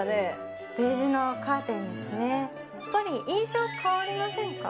やっぱり印象変わりませんか？